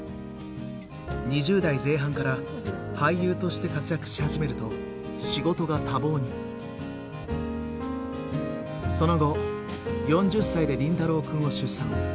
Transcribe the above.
２０代前半から俳優として活躍し始めるとその後４０歳で凛太郎くんを出産。